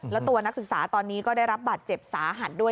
แล้วตัวนักศึกษาตอนนี้ก็ได้รับบาดเจ็บสาหัสด้วย